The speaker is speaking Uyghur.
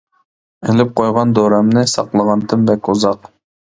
ئېلىپ قويغان دورامنى، ساقلىغانتىم بەك ئۇزاق.